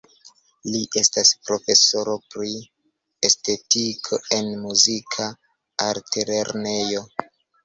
Li estas profesoro pri estetiko en muzika altlernejo.